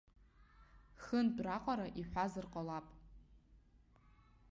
Хынтә раҟара иҳәазар ҟалап.